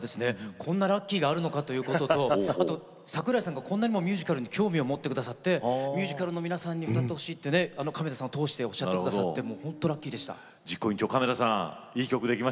こんなラッキーがあるのかということと桜井さんが、こんなにもミュージカルに興味を持ってくださってミュージカルの皆さんに歌ってほしいと亀田さん通しておっしゃってくださって実行委員長の亀田さん